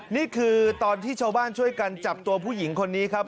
นี่คือตอนที่ชาวบ้านช่วยกันจับตัวผู้หญิงคนนี้ครับ